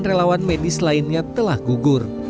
dan pedis lainnya telah gugur